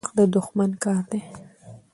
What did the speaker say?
نفاق د دښمن کار دی